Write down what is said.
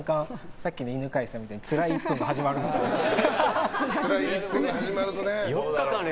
さっきの犬飼さんみたいにつらい１分間が始まるんじゃないかなと。